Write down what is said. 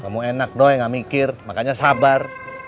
kamu enak doi gak mikir makanya sabar